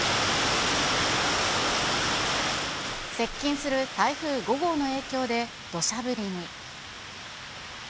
接近する台風５号の影響で、どしゃ降りに。